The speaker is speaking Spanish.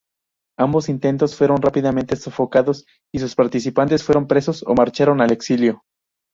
Ambos intentos fueron rápidamente sofocados y sus participantes fueron presos o marcharon al exilio.